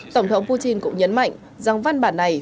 tổng thống putin cũng nhấn mạnh rằng văn bản này